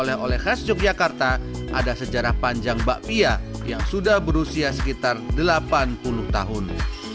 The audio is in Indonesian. oleh oleh khas yogyakarta ada sejarah panjang bakpia yang sudah berusia sekitar delapan puluh tahun